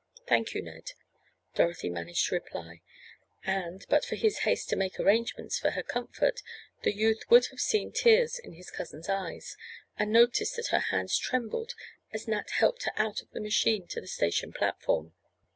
"Thank you, Ned," Dorothy managed to reply, and, but for his haste to make arrangements for her comfort, the youth would have seen tears in his cousin's eyes, and noticed that her hands trembled as Nat helped her out of the machine to the station platform.